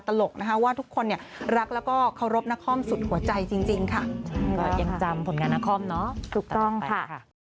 ใช่แล้วค่ะถูกต้องค่ะยังจำผลงานนักคล่อมเนอะต่อไปค่ะ